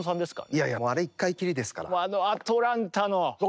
いやいやもうあれ１回きりですから。